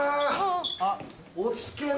あっ。